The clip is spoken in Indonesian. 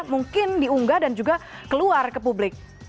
mungkin diunggah dan juga keluar ke publik